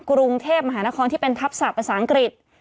กรุงเทพมหานครที่เป็นทัพศาสตร์ภาษาอังกฤษ